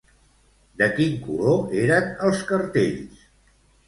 De quin color eren els cartells?